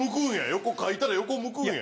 横描いたら横向くんや。